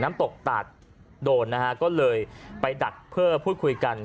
น้ำตกตาดโดนนะฮะก็เลยไปดักเพื่อพูดคุยกัน